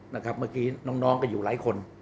เมื่อกี้น้องก็อยู่หลายคน